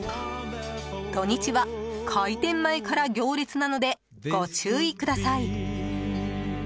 土日は開店前から行列なのでご注意ください。